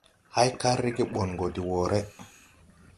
Hay kar rege ɓɔn go de wɔɔre!